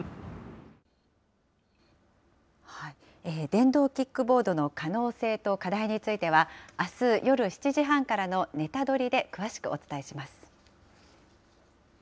電動キックボードの可能性と課題については、あす夜７時半からのネタドリで詳しくお伝えします。